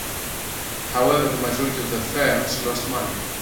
However, the majority of their films lost money.